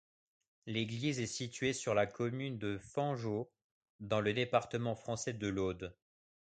L'église est située sur la commune de Fanjeaux, dans le département français de l'Aude.